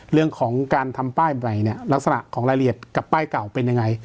เรื่องของการทำป้ายใหม่เนี่ยลักษณะของรายละเอียดกับป้ายเก่าเป็นยังไง